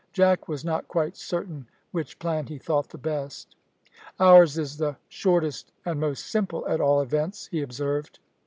Jack was not quite certain which plan he thought the best. "Ours is the shortest and most simple, at all events," he observed.